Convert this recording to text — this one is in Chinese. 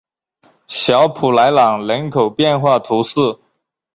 小普莱朗人口变化图示